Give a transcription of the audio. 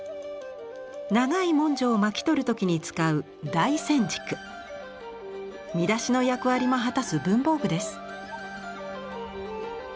長い文書を巻き取る時に使う見出しの役割も果たす文房具です。